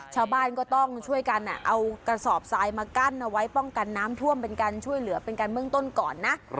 ชาวบ้านก็ต้องช่วยกันเอากระสอบทรายมากั้นเอาไว้ป้องกันน้ำท่วมเป็นการช่วยเหลือเป็นการเบื้องต้นก่อนนะ